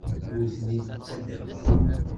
Ur ten-id-ttaddameɣ.